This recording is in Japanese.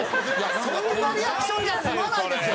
そんなリアクションじゃ済まないですよ